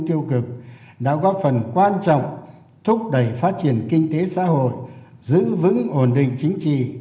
tiêu cực đã góp phần quan trọng thúc đẩy phát triển kinh tế xã hội giữ vững ổn định chính trị